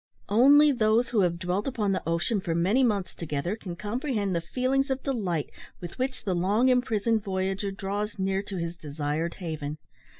Only those who have dwelt upon the ocean for many months together can comprehend the feelings of delight, with which the long imprisoned voyager draws near to his desired haven.